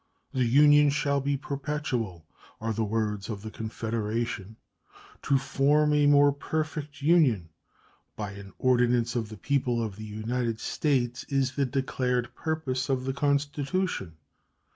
"The Union shall be perpetual" are the words of the Confederation. "To form a more perfect Union," by an ordinance of the people of the United States, is the declared purpose of the Constitution.